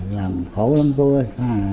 làm khổ lắm cô ơi